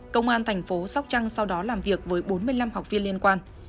công an thành phố sóc trăng sau đó làm việc với bốn mươi năm học viên liên quan